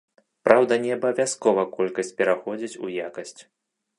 Праўда, не абавязкова колькасць пераходзіць у якасць.